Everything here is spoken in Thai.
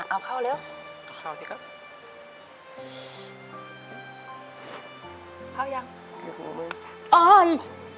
เอาเขาเร็ว